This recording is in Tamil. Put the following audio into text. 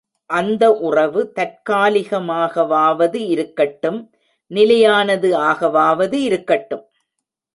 அந்த உறவு தற்காலிகமாகவாவது இருக்கட்டும் நிலையானது ஆகவாவது இருக்கட்டும்.